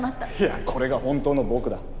いやこれが本当の僕だ。